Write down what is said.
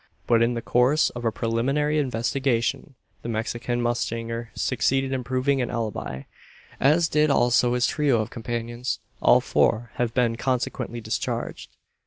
But in the course of a preliminary investigation the Mexican mustanger succeeded in proving an alibi, as did also his trio of companions. All four have been consequently discharged.